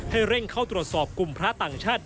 ให้เร่งเข้าตรวจสอบกลุ่มพระต่างชาติ